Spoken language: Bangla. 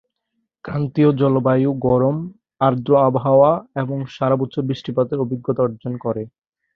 ক্রান্তীয় জলবায়ু গরম, আর্দ্র আবহাওয়া এবং সারা বছর বৃষ্টিপাতের অভিজ্ঞতা অর্জন করে।